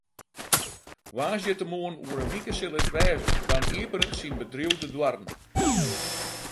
Woansdeitemoarn oer in wike sil it wêze, dan iepenet syn bedriuw de doarren.